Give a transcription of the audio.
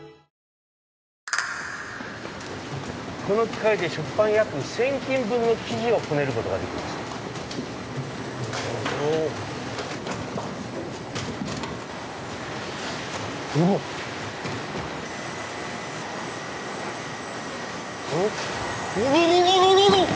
この機械で食パン約１０００斤分の生地をこねることができますおろ？